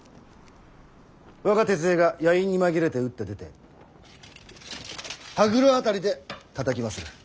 我が手勢が夜陰に紛れて打って出て羽黒辺りでたたきまする。